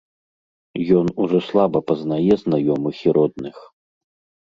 Ён ужо слаба пазнае знаёмых і родных.